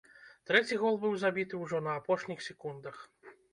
Трэці гол быў забіты ўжо на апошніх секундах.